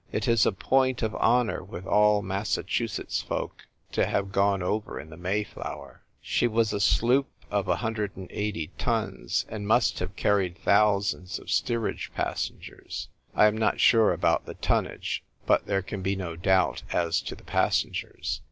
It is a point of honour with all Massachusetts folk to have gone over in the Mayflozvcr. She was a sloop of 1 80 tons, and must have carried thousands of steerage passengers. I am not sure about the tonnage, but there can be no doubt as to the passengers.